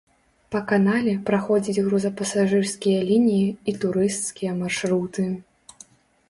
Па канале праходзіць грузапасажырскія лініі і турысцкія маршруты.